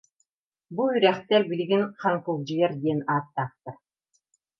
Бу үрэхтэр билигин Хаҥкылдьыйар диэн ааттаахтар